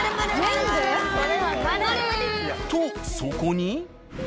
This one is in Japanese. とそこに。